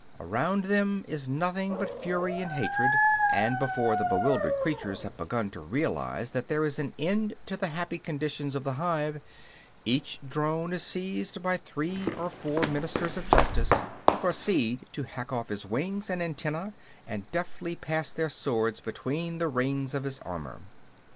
Around them is nothing but fury and hatred; and before the bewildered creatures have begun to realize that there is an end to the happy conditions of the hive, each drone is seized by three or four ministers of justice, who proceed to hack off his wings and antennæ and deftly pass their sword between the rings of his armor.